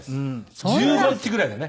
１５日ぐらいだね。